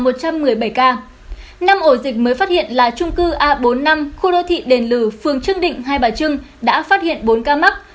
năm ổ dịch mới phát hiện là trung cư a bốn mươi năm khu đô thị đền lừ phường trương định hai bà trưng đã phát hiện bốn ca mắc